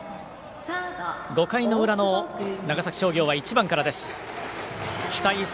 ５回の裏の長崎商業は１番からです。